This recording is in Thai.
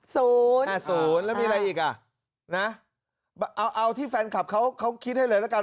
ศูนย์ศูนย์แล้วมีอะไรอีกอ่ะนะเอาที่แฟนคลับเขาคิดให้เลยนะครับ